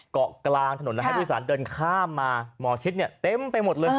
เกาะกลางถนนแล้วให้ผู้โดยสารเดินข้ามมาหมอชิดเนี่ยเต็มไปหมดเลย